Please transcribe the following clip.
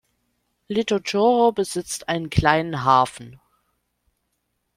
Litochoro besitzt einen kleinen Hafen.